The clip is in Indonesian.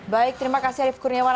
baik terima kasih arief kurniawan